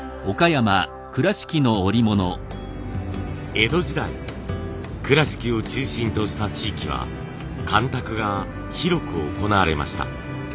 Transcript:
江戸時代倉敷を中心とした地域は干拓が広く行われました。